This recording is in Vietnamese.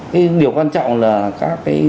cái điều quan trọng là các cái